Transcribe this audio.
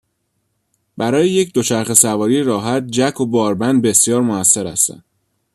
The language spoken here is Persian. برای یک دوچرخه سواری راحت، جک و باربند بسیار موثر هستند.